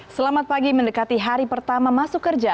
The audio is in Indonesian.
selamat pagi mendekati hari pertama masuk kerja